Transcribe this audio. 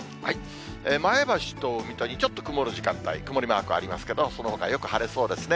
前橋と水戸にちょっと曇る時間帯、曇りマークありますけど、そのほかはよく晴れそうですね。